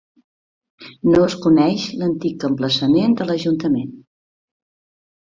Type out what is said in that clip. No es coneix l'antic emplaçament de l'ajuntament.